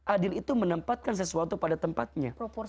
adil itu menempatkan sesuatu pada tempatnya